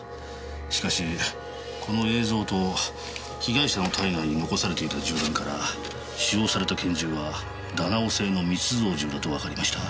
しかしこの映像と被害者の体内に残されていた銃弾から使用された拳銃はダナオ製の密造銃だとわかりました。